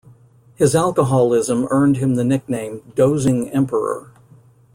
His alcoholism earned him the nickname "Dozing Emperor".